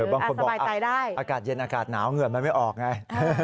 บางคนบอกอากาศเย็นอากาศหนาวเหงื่อนมันไม่ออกไง